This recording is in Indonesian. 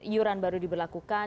iuran baru diberlakukan